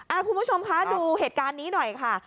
คุณผู้ชมคะดูเหตุการณ์นี้หน่อยค่ะ